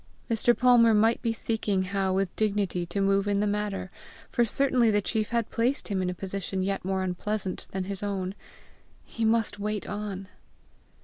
Mr. Palmer might be seeking how with dignity to move in the matter, for certainly the chief had placed him in a position yet more unpleasant than his own! He must wait on!